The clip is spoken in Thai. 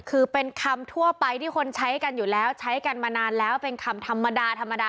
คือเป็นคำทั่วไปที่คนใช้กันอยู่แล้วใช้กันมานานแล้วเป็นคำธรรมดาธรรมดา